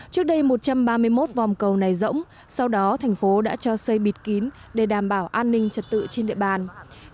trước đây một trăm ba mươi một vòng cầu này rỗng sau đó thành phố đã cho xây bịt kín để đảm bảo an ninh trật tự trên địa bàn